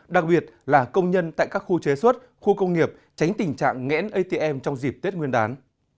đặc biệt là công nhân tại các khu chế xuất khu công nghiệp tránh tình trạng nghẽn atm trong dịp tết nguyên đán